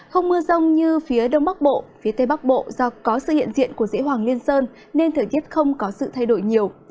không mưa rông như phía đông bắc bộ phía tây bắc bộ do có sự hiện diện của dĩ hoàng liên sơn nên thời tiết không có sự thay đổi nhiều